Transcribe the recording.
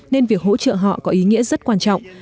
nên việc hỗ trợ họ có ý nghĩa rất quan trọng